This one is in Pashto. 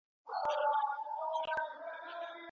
څوک تل هڅه کوي چي د ستونزو پر وړاندي ټینګ ودرېږي؟